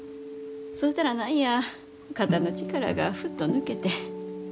そしたら何や肩の力がフッと抜けて。